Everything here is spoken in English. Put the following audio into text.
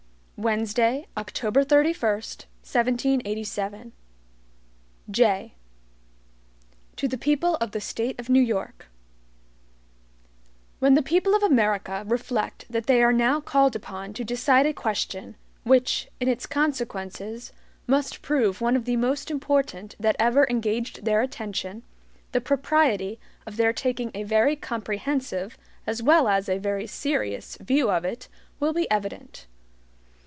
Wednesday, October 31, 1787 JAY To the People of the State of New York: WHEN the people of America reflect that they are now called upon to decide a question, which, in its consequences, must prove one of the most important that ever engaged their attention, the propriety of their taking a very comprehensive, as well as a very serious, view of it, will be evident.